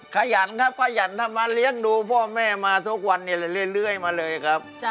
ขยันครับขยันทำมาเลี้ยงดูพ่อแม่มาทุกวันนี้เรื่อยมาเลยครับ